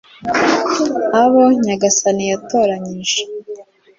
abo nyagasani yatoranyije